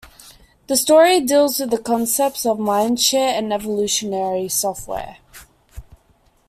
The story deals with the concepts of mindshare and evolutionary software.